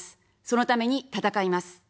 そのために戦います。